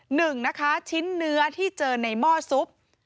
หนึ่งนะคะชิ้นเนื้อที่เจอในหม้อซุป